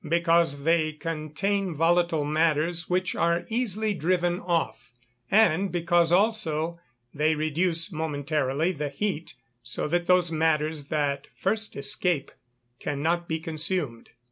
_ Because they contain volatile matters which are easily driven off; and because, also, they reduce momentarily the heat, so that those matters that first escape cannot be consumed.